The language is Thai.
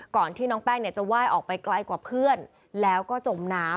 ก่อนที่น้องแป้งเนี่ยจะไหว้ออกไปไกลกว่าเพื่อนแล้วก็จมน้ำ